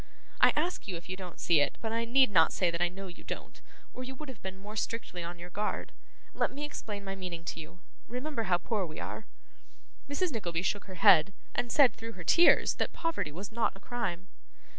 I ask you if you don't see it, but I need not say that I know you don't, or you would have been more strictly on your guard. Let me explain my meaning to you. Remember how poor we are.' Mrs. Nickleby shook her head, and said, through her tears, that poverty was not a crime.